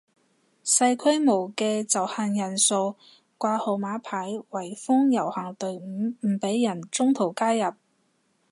細規模嘅就限人數掛號碼牌圍封遊行隊伍唔俾人中途加入